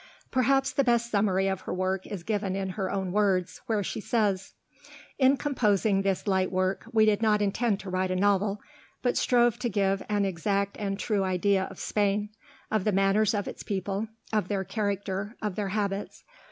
Perhaps the best summary of her work is given in her own words, where she says: "In composing this light work we did not intend to write a novel, but strove to give an exact and true idea of Spain, of the manners of its people, of their character, of their habits.